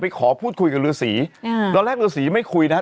ไปขอพูดคุยกับฤษีอ่าตอนแรกฤษีไม่คุยนะฮะ